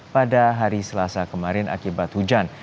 pada hari selasa kemarin akibat hujan